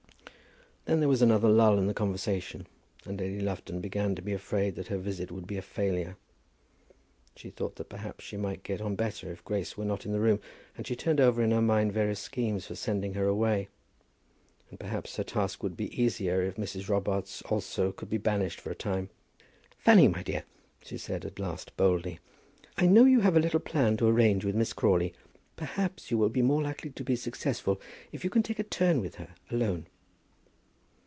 Then there was another lull in the conversation, and Lady Lufton began to be afraid that her visit would be a failure. She thought that perhaps she might get on better if Grace were not in the room, and she turned over in her mind various schemes for sending her away. And perhaps her task would be easier if Mrs. Robarts also could be banished for a time. "Fanny, my dear," she said at last, boldly, "I know you have a little plan to arrange with Miss Crawley. Perhaps you will be more likely to be successful if you can take a turn with her alone."